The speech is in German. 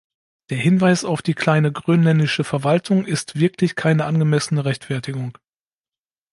Der Hinweis auf die kleine grönländische Verwaltung ist wirklich keine angemessene Rechtfertigung.